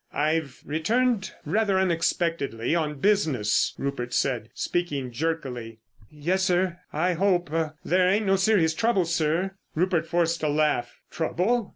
"I've returned rather unexpectedly on business," Rupert said, speaking jerkily. "Yes, sir. I hope—there ain't no serious trouble, sir?" Rupert forced a laugh. "Trouble?